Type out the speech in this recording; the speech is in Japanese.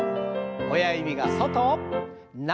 親指が外中。